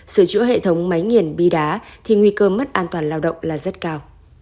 sửa chữa hệ thống máy nghiền bi đá thì nguy cơ mất an toàn lao động là rất cao